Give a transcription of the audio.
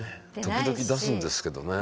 時々出すんですけどね。